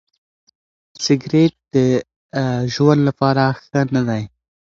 سګریټ د ژوند لپاره ښه نه دی.